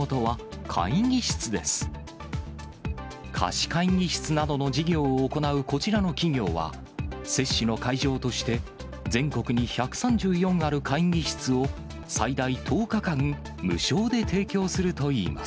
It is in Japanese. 貸会議室などの事業を行うこちらの企業は、接種の会場として、全国に１３４ある会議室を、最大１０日間、無償で提供するといいます。